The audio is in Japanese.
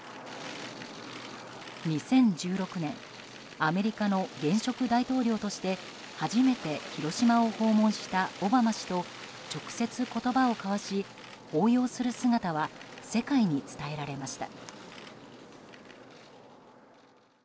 ２０１６年アメリカの現職大統領として初めて広島を訪問したオバマ氏と直接、言葉を交わし抱擁する姿は世界に伝えられました。